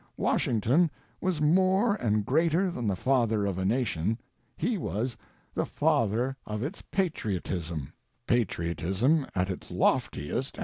Washington was more and greater than the father of a nation, he was the Father of its Patriotism — patriotism at its loftiest THE XORTH AMERICAN REVIEW.